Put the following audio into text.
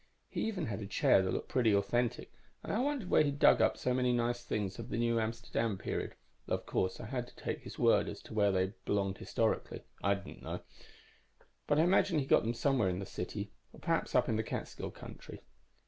He even had a chair that looked pretty authentic, and I wondered where he'd dug up so many nice things of the New Amsterdam period though, of course, I had to take his word as to where they belonged historically; I didn't know. But I imagine he got them somewhere in the city or perhaps up in the Catskill country.